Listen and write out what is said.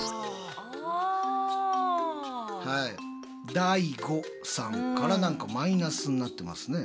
ＤＡＩＧＯさんから何かマイナスになってますね。